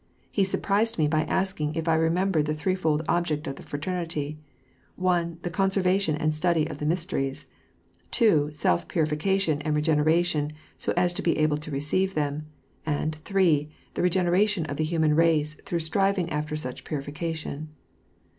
He surprised me by asking if I remembered the threefold object of the Fraternity: —( 1 ) The conservation and study of the mysteries. (2) Self purification and regeneration so as to be able to receive them; and (3) The regeneration of the human race through striving aft«r such purification.